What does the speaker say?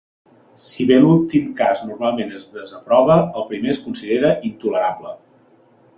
Si bé l'últim cas normalment es desaprova, el primer es considera intolerable.